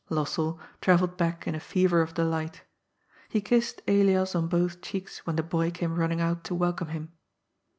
Lossell travelled back in a fever of delight. He kissed Elias on both cheeks when the boy came running out to welcome him.